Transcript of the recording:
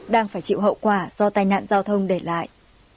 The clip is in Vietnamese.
đang phải chịu hậu quả do tai nạn giao thông để lại